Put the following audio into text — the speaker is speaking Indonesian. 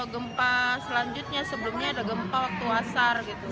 gempa selanjutnya sebelumnya ada gempa waktu asar gitu